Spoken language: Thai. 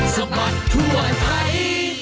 สมัติทั่วไทย